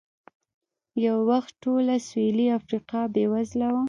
یو وخت ټوله سوېلي افریقا بېوزله وه.